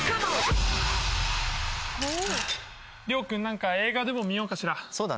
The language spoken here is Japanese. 遼君何か映画でも見ようかしら？